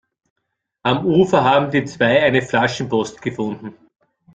Am Ufer haben die zwei eine Flaschenpost gefunden.